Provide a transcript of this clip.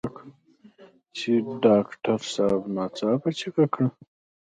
چې ډاکټر صاحب ناڅاپه چيغه کړه.